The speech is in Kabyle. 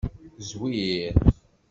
Zwir.